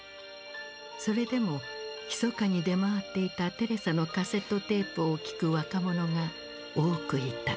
それでもひそかに出回っていたテレサのカセットテープを聴く若者が多くいた。